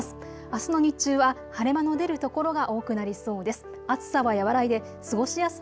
あすの日中は晴れ間の出る所が多くなりそうです。